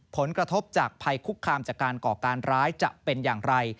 ผลกระทบจากภัยคุกคามจากการก่อการร้ายจะเป็นอย่างไร